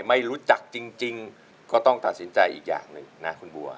ไม่รู้จักจริงก็ต้องตัดสินใจอีกอย่างหนึ่งนะคุณบัว